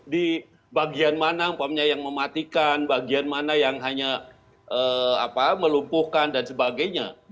di bagian mana yang mematikan bagian mana yang hanya melumpuhkan dan sebagainya